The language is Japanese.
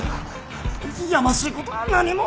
やましいことは何も。